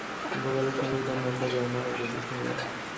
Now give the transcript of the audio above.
গোপালের সঙ্গেই তার নামটা জড়ানো হয় বেশি সময়।